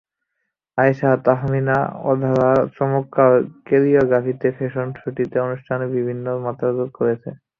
আয়েশা তাহমিনা অধরার চমৎকার কোরিওগ্রাফিতে ফ্যাশন শোটি অনুষ্ঠানে ভিন্ন মাত্রা যোগ করে।